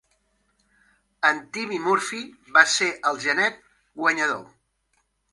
En Timmy Murphy va ser el genet guanyador.